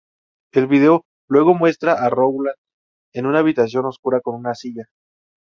El vídeo luego muestra a Rowland en una habitación oscura con una silla.